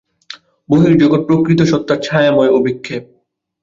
বহির্জগৎ প্রকৃত সত্তার ছায়াময় অভিক্ষেপ।